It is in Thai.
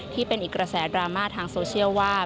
ที่เป็นอีกกระแสดราม่าทางโซเชียลว่า